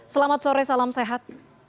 selamat sore salam sehat